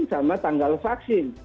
sama tanggal vaksin